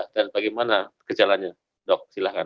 dan bagaimana gejalanya dok silahkan